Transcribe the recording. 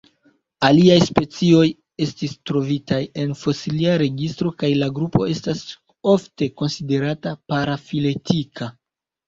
Aliaj specioj estis trovitaj en fosilia registro kaj la grupo estas ofte konsiderata parafiletika.